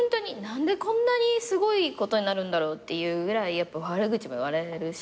何でこんなにすごいことになるんだろうっていうぐらいやっぱ悪口も言われるしね。